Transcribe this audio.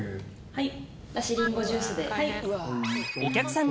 はい。